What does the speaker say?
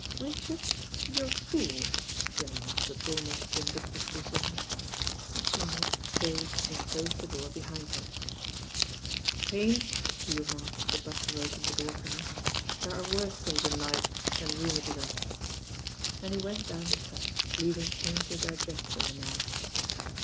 "Richard, you're a fool," she announced with al most vindictive decision. He smiled, bowed and closed the door behind him. "Payne," he remarked as the butler opened the door for him, "there are worse things in life than rheumatism;" and he went down the steps leaving Payne to digest the remark.